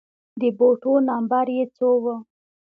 د بوټو نمبر يې څو و